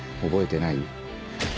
覚えてない？